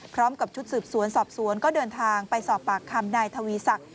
พร้อมกับชุดสืบสวนสอบสวนก็เดินทางไปสอบปากคำนายทวีศักดิ